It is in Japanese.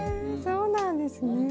そうなんですね。